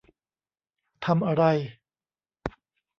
ทำอะไร ?